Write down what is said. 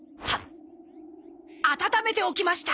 温めておきました。